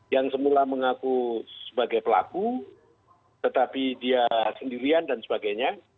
yang semula mengaku sebagai pelaku tetapi dia sendirian dan sebagainya